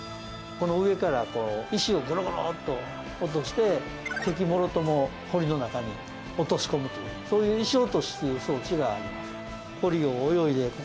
この上から、こう石をゴロゴロっと落として敵もろとも堀の中に落とし込むというそういう石落としっていう装置があります。